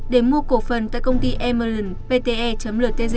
để mua cổ phần tại công ty emeren pte ltg